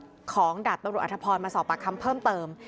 ของดาบตำรวจอธพรมาสอบปากคำเพิ่มเติม